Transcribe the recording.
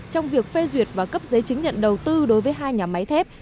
trong việc phê duyệt và cấp giấy chứng nhận đầu tư đối với hai nhà máy thép